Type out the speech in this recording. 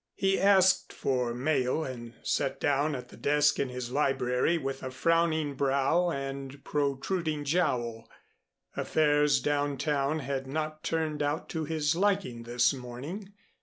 He asked for mail and sat down at the desk in his library with a frowning brow and protruding jowl. Affairs down town had not turned out to his liking this morning.